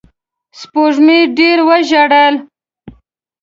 سپوږمۍ ډېر وژړل